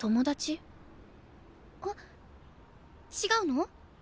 えっ違うの？